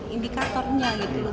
indikatornya gitu loh